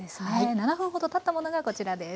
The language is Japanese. ７分ほどたったものがこちらです。